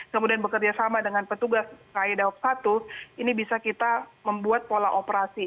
kemudian bekerja sama dengan petugas kai daop satu ini bisa kita membuat pola operasi